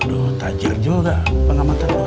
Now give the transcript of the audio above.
aduh tajar juga pengamatan lo